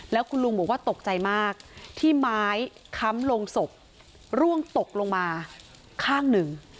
แล้วคุณลุงบอกว่าตกใจมากที่ไม้ค้ำลงศพร่วงตกลงมาข้างหนึ่ง